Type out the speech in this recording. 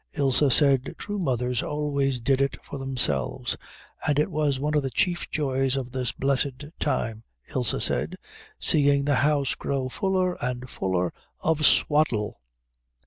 Ilse said true mothers always did it for themselves, and it was one of the chief joys of this blessed time, Ilse said, seeing the house grow fuller and fuller of swaddle.